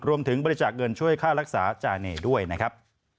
บริจาคเงินช่วยค่ารักษาจาเนย์ด้วยนะครับ